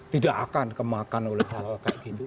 tidak akan kemakan oleh hal hal kayak gitu